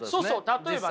例えばね